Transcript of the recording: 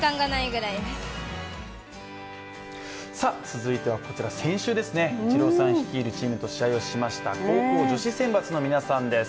続いては、こちら先週、イチローさん率いるチームと試合をしました高校女子選抜の皆さんです。